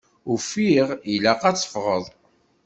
Ufiɣ ilaq ad d-ffɣeɣ.